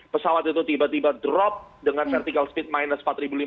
pesawat itu tiba tiba drop dengan vertical speed minus empat lima ratus